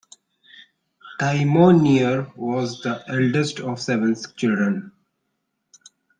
Thimonnier was the eldest of seven children.